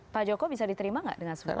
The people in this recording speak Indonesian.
pak joko bisa diterima nggak dengan semua pihak